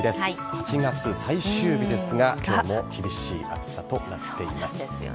８月最終日ですが今日も厳しい暑さとなっています。